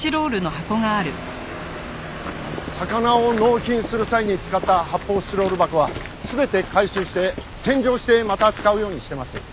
魚を納品する際に使った発泡スチロール箱は全て回収して洗浄してまた使うようにしてます。